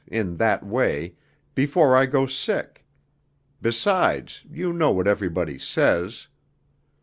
in that way ... before I go sick.... Besides, you know what everybody says....'